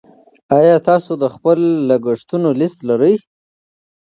ایا تاسو د خپلو لګښتونو لیست لرئ.